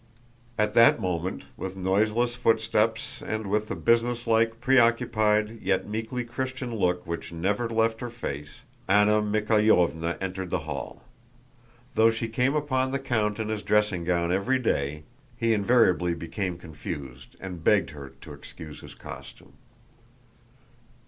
At that moment, with noiseless footsteps and with the businesslike, preoccupied, yet meekly Christian look which never left her face, Anna Mikháylovna entered the hall. Though she came upon the count in his dressing gown every day, he invariably became confused and begged her to excuse his costume.